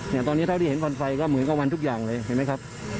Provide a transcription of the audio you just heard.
เนี่ยตอนนี้เท่าที่เห็นควันไฟก็เหมือนกับวันทุกอย่างเลยเห็นไหมครับ